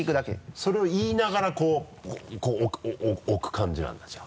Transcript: それを言いながらこう置く感じなんだじゃあ。